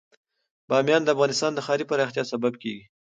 بامیان د افغانستان د ښاري پراختیا سبب کېږي.